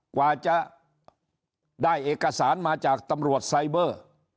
กว่าจะได้เอกสารมาจากตำรวจไซเบอร์